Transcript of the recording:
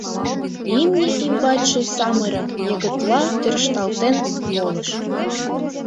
Имне ӱмбачше самырык йыгытла тӧршталтен волыш.